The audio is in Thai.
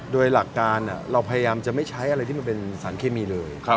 โดยหลักการเราพยายามจะไม่ใช้อะไรที่มันเป็นสารเคมีเลย